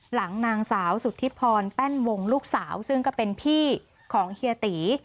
หลังนางสาวสุธิพรแป้นวงลูกสาวซึ่งก็เป็นพี่ของเฮียตี